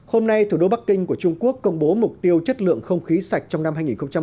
hôm nay thủ đô bắc kinh của trung quốc công bố mục tiêu chất lượng không khí sạch trong năm hai nghìn hai mươi